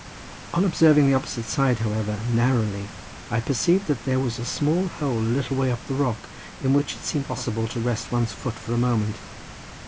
On observing the opposite side, however, narrowly, I perceived that there was a small hole a little way up the rock, in which it seemed possible to rest one's foot for a moment.